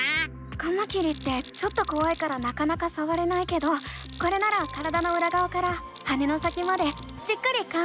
カマキリってちょっとこわいからなかなかさわれないけどこれなら体のうらがわから羽の先までじっくり観察できるね！